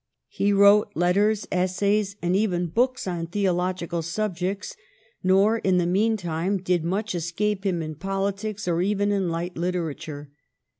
He wrote letters, essays, and even books on theological subjects, nor in the meantime did much escape him in politics or even in light literature.